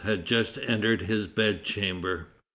had just entered his bedchamber.